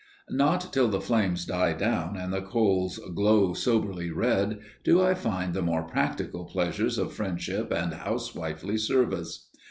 Not till the flames die down and the coals glow soberly red do I find the more practical pleasures of friendship and housewifely service.